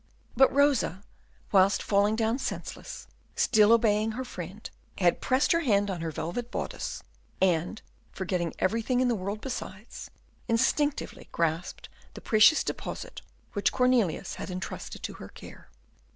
But Rosa, whilst falling down senseless, still obeying her friend, had pressed her hand on her velvet bodice and, forgetting everything in the world besides, instinctively grasped the precious deposit which Cornelius had intrusted to her care.